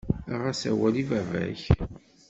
Aɣ-as awal i baba-k.